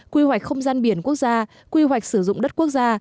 quy hoạch không gian biển quốc gia quy hoạch sử dụng đất quốc gia